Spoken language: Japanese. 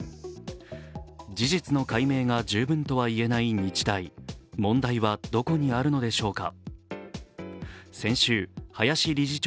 事実の解明が十分とは言えない日大、問題はどこにあるのでしょうか。